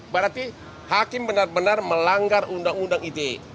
berarti hakim benar benar melanggar undang undang ite